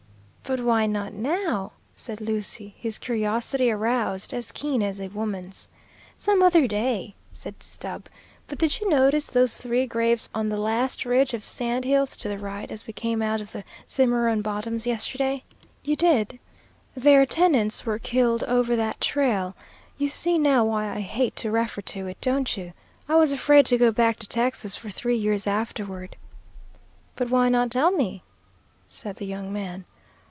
"But why not now?" said Lucy, his curiosity aroused, as keen as a woman's. "Some other day," said Stubb. "But did you notice those three graves on the last ridge of sand hills to the right as we came out of the Cimarron bottoms yesterday? You did? Their tenants were killed over that trail; you see now why I hate to refer to it, don't you? I was afraid to go back to Texas for three years afterward." "But why not tell me?" said the young man.